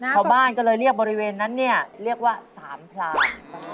ชาวบ้านก็เลยเรียกบริเวณนั้นเนี่ยเรียกว่าสามพลา